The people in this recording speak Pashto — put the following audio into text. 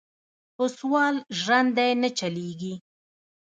پۀ سوال ژرندې نۀ چلېږي.